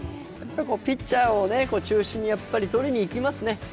ピッチャーを中心に取りにいきますね。